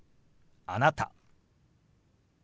「あなた」。